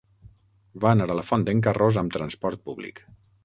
Va anar a la Font d'en Carròs amb transport públic.